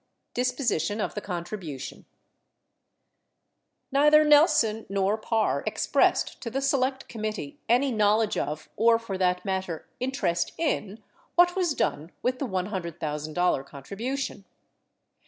DISPOSITION OP THE CONTRIBUTION Neither Nelson nor Parr expressed to the Select Committee any knowledge of, or for that matter, interest in what was done with the $100,000 contribution.